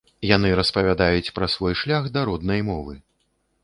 Яны распавядаюць пра свой шлях да роднай мовы.